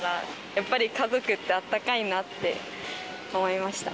やっぱり家族ってあったかいなって思いました。